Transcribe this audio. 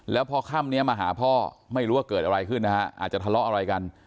แล้วพอค่ำนี้มาหาพ่อไม่รู้ว่าเกิดอะไรขึ้นนะฮะอาจจะทะเลาะอะไรกัน